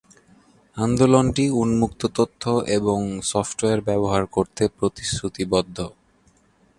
আন্দোলনটি উন্মুক্ত তথ্য এবং সফটওয়্যার ব্যবহার করতে প্রতিশ্রুতিবদ্ধ।